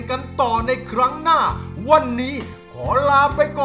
ดูเขาเล็ดดมชมเล่นด้วยใจเปิดเลิศ